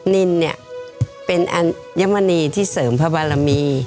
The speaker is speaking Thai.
นินเนี่ยเป็นอัญมณีที่เสริมพระบารมี